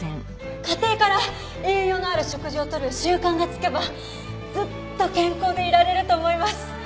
家庭から栄養のある食事をとる習慣がつけばずっと健康でいられると思います。